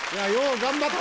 頑張った。